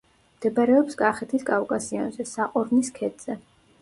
მდებარეობს კახეთის კავკასიონზე, საყორნის ქედზე.